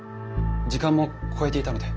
時間も超えていたので。